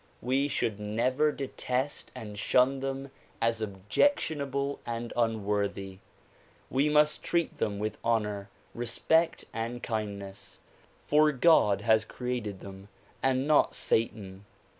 We should never detest and shun them as objectionable and unworthy. We must treat them with honor, respect and kindness, for God has created them and not satan.